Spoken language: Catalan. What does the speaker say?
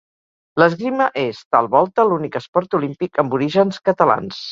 L'esgrima és, tal volta, l'únic esport olímpic amb orígens catalans.